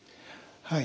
はい。